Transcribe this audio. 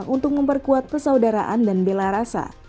untuk memperkuat persaudaraan dan bela rasa